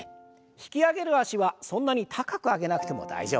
引き上げる脚はそんなに高く上げなくても大丈夫です。